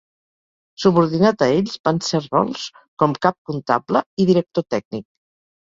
Subordinat a ells van ser rols com "cap comptable" i "director tècnic".